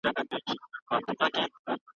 که مېلمانه راشي نو ماشومان به کوټې ته بوځم.